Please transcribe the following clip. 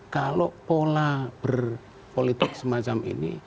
kalau pola berpolitik semacam ini